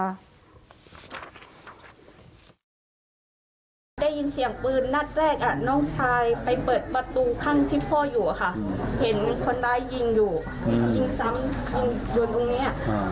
เอาพวกปืนยาวใส่กางเกงวอร์มสีน้ำเงิน